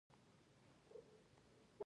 د هغو نتیجه هم چنداني یقیني نه وي.